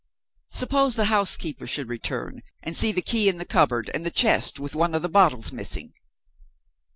Suppose the housekeeper should return, and see the key in the cupboard, and the chest with one of the bottles missing?